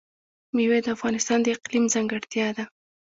مېوې د افغانستان د اقلیم ځانګړتیا ده.